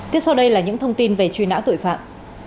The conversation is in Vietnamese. tiếp sau đây là những thông tin về truy nã tội phạm